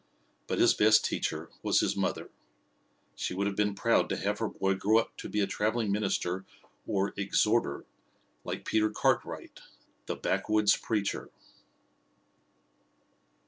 But his best teacher was his mother. She would have been proud to have her boy grow up to be a traveling minister or exhorter, like Peter Cartwright, "the backwoods preacher."